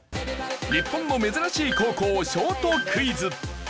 日本の珍しい高校ショートクイズ。